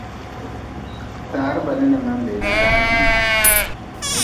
Taa reba ni, ni menbee ni danimii.